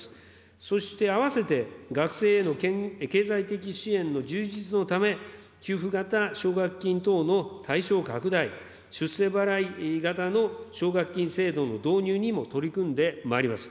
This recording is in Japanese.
そして、併せて学生への経済的支援の充実のため、給付型奨学金等の対象拡大、出世払い型の奨学金制度の導入にも取り組んでまいります。